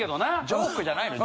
ジョークじゃないの？